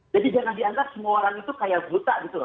jangan dianggap semua orang itu kayak buta gitu loh